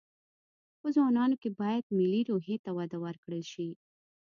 په ځوانانو کې باید ملي روحي ته وده ورکړل شي